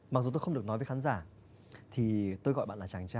mặc dù tôi không được nói với khán giả